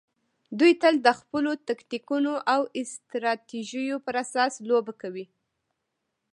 دوی تل د خپلو تکتیکونو او استراتیژیو پر اساس لوبه کوي.